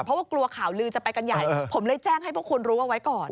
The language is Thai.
เพราะว่ากลัวข่าวลือจะไปกันใหญ่ผมเลยแจ้งให้พวกคุณรู้เอาไว้ก่อน